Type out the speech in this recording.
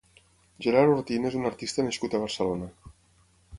Gerard Ortín és un artista nascut a Barcelona.